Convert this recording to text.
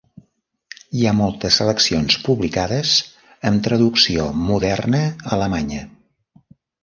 Hi ha moltes seleccions publicades amb traducció moderna alemanya.